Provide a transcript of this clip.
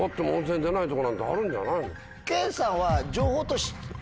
研さんは。